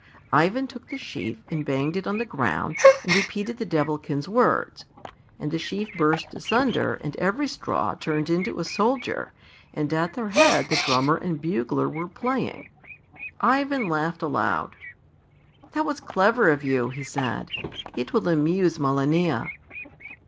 Ivan took the sheaf and banged it on the ground and repeated the Devilkin's words. And the sheaf burst asunder and every straw turned into a soldier and at their head the drummer and bugler were playing. Ivan laughed aloud. "That was clever of you," he said. "It will amuse Malania."